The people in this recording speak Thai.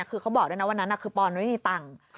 คือเขาบอกด้วยนะวันนั้นคือปอนไม่มีตังค์